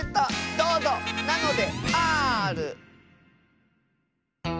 どうぞなのである！